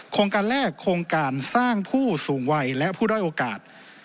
โครงการแรกโครงการสร้างผู้สูงวัยและผู้ด้อยโอกาส